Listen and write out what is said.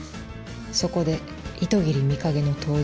そこで糸切美影の登場。